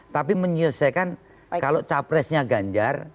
tapi menyelesaikan kalau capresnya ganjar